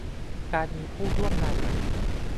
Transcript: การมีผู้ร่วมงานใหม่